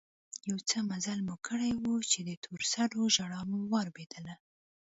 يو څه مزل مو کړى و چې د تور سرو ژړا مو واورېدل.